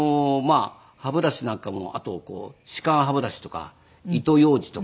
歯ブラシなんかもあと歯間歯ブラシとか糸ようじとか。